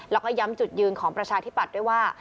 แล้วก็ย้ำจุดยืนของประชาธิปัตย์ด้วยว่า